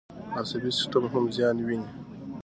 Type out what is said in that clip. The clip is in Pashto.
عصبي سیستم هم زیان ویني.